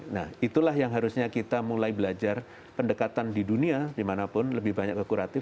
nah itulah yang harusnya kita mulai belajar pendekatan di dunia dimanapun lebih banyak ke kuratif